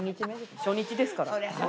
初日ですから。